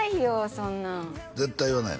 そんなん絶対言わないの？